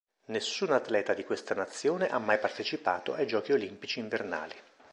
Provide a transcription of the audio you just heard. Nessun atleta di questa nazione ha mai partecipato ai Giochi olimpici invernali.